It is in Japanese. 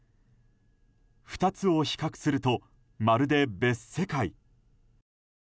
２つを比較するとまるで別世界。